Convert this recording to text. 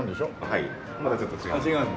はいまたちょっと違う。